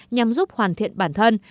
nhằm giúp hoàn thiện bản thân